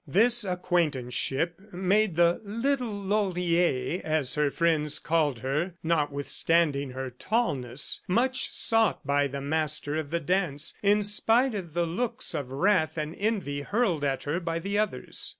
This acquaintanceship made the "little Laurier," as her friends called her notwithstanding her tallness, much sought by the master of the dance, in spite of the looks of wrath and envy hurled at her by the others.